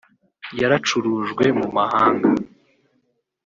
yaracurujwe mu mahanga